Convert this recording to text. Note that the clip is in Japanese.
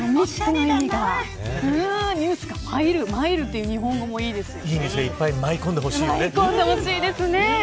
ニュースがまいるという日本語もいいですね。